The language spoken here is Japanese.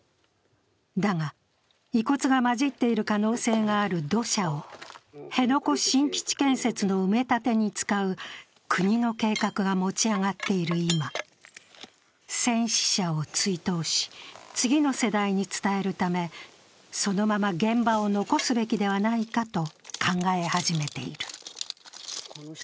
だが、遺骨がまじっている可能性がある土砂を辺野古新基地建設の埋め立てに使う国の計画が持ち上がっている今、戦死者を追悼し、次の世代に伝えるため、そのまま、現場を残すべきではないかと考え始めている。